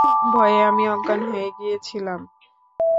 ভয়ে আমি অজ্ঞান হয়ে গিয়েছিলাম।